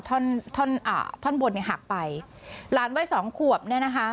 ท่อนท่อนอ่าท่อนบนเนี่ยหักไปหลานวัยสองขวบเนี่ยนะคะ